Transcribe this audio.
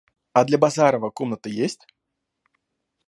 А для Базарова комната есть?